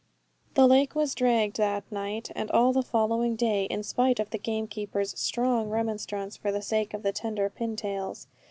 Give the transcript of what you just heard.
The lake was dragged that night, and all the following day, in spite of the gamekeeper's strong remonstrance for the sake of the tender pintails.